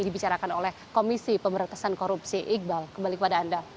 dibicarakan oleh komisi pemberantasan korupsi iqbal kembali kepada anda